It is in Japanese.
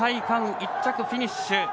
雲、１着フィニッシュ。